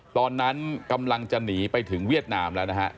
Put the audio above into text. ตอนนั้นกำลังจะหนีไปถึงเวียดนามแล้วนะฮะ